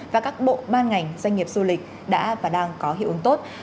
và các bộ ban ngành doanh nghiệp du lịch đã và đang có hiệu ứng tốt